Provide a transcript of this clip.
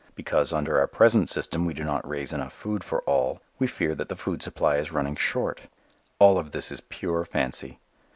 Because, under our present system, we do not raise enough food for all, we fear that the food supply is running short. All this is pure fancy.